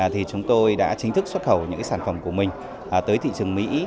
thì chúng tôi đã chính thức xuất khẩu những sản phẩm của mình tới thị trường mỹ